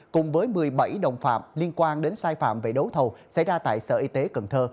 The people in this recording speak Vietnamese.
cùng với một mươi bảy đồng phạm liên quan đến sai phạm về đấu thầu xảy ra tại sở y tế cần thơ